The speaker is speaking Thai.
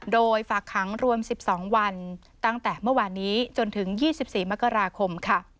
โดยฝากขังรวม๑๒วันตั้งแต่เมื่อวานนี้จนถึง๒๔มกราคม